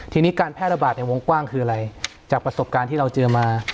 ทีนี้การแพร่ระบาดในวงกว้างคืออะไรจากประสบการณ์ที่เราเจอมา